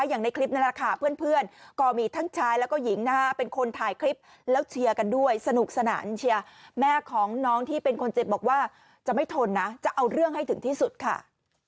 อย่างในคลิปนั่นแหละค่ะเพื่อนก็มีทั้งชายแล้วก็หญิงนะฮะเป็นคนถ่ายคลิปแล้วเชียร์กันด้วยสนุกสนานเชียร์แม่ของน้องที่เป็นคนเจ็บบอกว่าจะไม่ทนนะจะเอาเรื่องให้ถึงที่สุดค่ะ